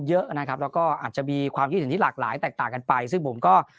เยอะนะครับแล้วก็อาจจะมีความคิดเห็นที่หลากหลายแตกต่างกันไปซึ่งผมก็